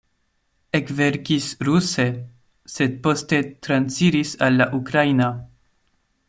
Ekverkis ruse, sed poste transiris al la ukraina.